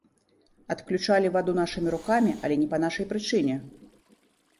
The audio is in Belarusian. Адключалі ваду нашымі рукамі, але не па нашай прычыне!